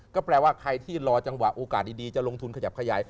ก็แปลว่าใครที่รอจังหวะโอกาสดีจะลงทุนขยับขยาย